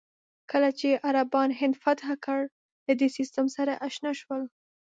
کله چې عربان هند فتح کړل، له دې سیستم سره اشنا شول.